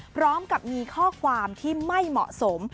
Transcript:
พร้อมกับมีข้อความที่ไม่เหมาะสม